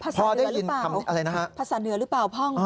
ภาษาเหนือหรือเปล่าพ่องพ่อได้ยินคำนี้อะไรนะครับภาษาเหนือหรือเปล่าพ่อง